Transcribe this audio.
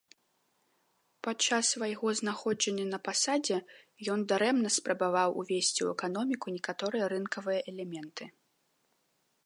Падчас свайго знаходжання на пасадзе, ён дарэмна спрабаваў ўвесці ў эканоміку некаторыя рынкавыя элементы.